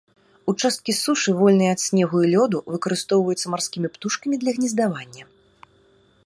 Участкі сушы, вольныя ад снегу і лёду, выкарыстоўваюцца марскімі птушкамі для гнездавання.